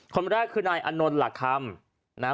คนแรกคือนายอนนท์หลักคำ